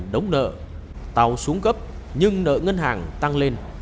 đóng nợ tàu xuống cấp nhưng nợ ngân hàng tăng lên